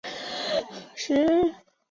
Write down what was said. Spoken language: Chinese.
中国共产党第十八届中央委员。